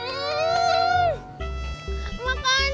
makanya mau ompur abis sahur